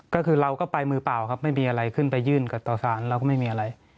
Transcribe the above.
ก็คือเราก็ไปมือเปล่าครับไม่มีอะไรขึ้นไปยื่นกับต่อสารเราก็ไม่มีอะไร